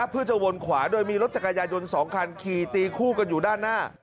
เพื่อจะวนขวาโดยมีรถจักรยายน๒คันขี่ตีคู่กันอยู่ด้านหน้า